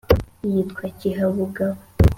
yitwa kihabugabo